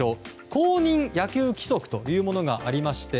公認野球規則というものがありまして